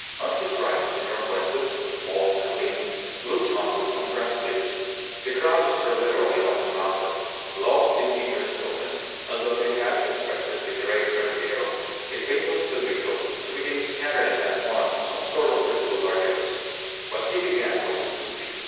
On his right, Senor Fuentes, small and lean, looked on with compressed lips. The crowd stared literally open mouthed, lost in eager stillness, as though they had expected the great guerrillero, the famous Pedrito, to begin scattering at once some sort of visible largesse. What he began was a speech.